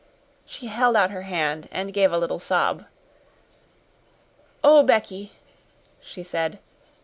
She held out her hand and gave a little sob. "Oh, Becky," she said.